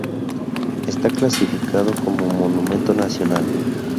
Está clasificado como Monumento Nacional.